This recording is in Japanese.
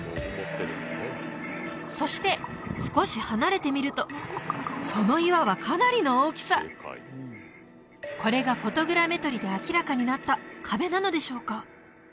そして少し離れてみるとその岩はかなりの大きさこれがフォトグラメトリで明らかになった壁なのでしょうか？